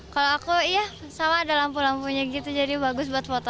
kalau aku iya sama ada lampu lampunya gitu jadi bagus buat foto